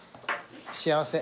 幸せ。